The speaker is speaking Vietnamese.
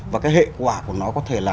và cái hệ quả của nó có thể là